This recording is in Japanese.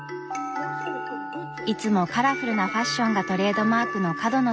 いつもカラフルなファッションがトレードマークの角野さん。